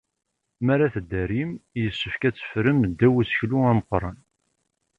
Mi ara teddarim, yessefk ad teffrem ddaw useklu ameqran.